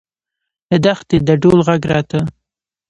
له دښتې د ډول غږ راته.